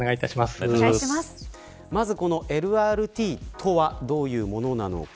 まず、このＬＲＴとはどういうものなのか。